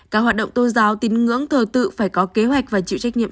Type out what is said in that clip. các hoạt động tôn giáo tín ngưỡng thờ tự phải có kế hoạch và chịu trách nhiệm